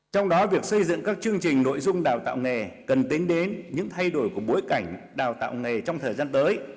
trong đó việc xây dựng các chương trình nội dung đào tạo nghề cần tính đến những thay đổi của bối cảnh đào tạo nghề trong thời gian tới